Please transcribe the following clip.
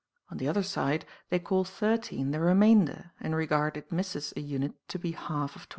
On the other side, they call thirteen the remain der, in regard it misses a unit to be half of twenty seven.